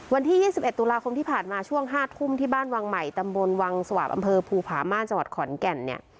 วันที่๒๑ตุลาคมที่ผ่านมาช่วง๕ทุ่มที่บ้านวังใหม่ตำบลวังสวาปอำเภอภูผาม่านจังหวัดขอนแก่นเนี่ย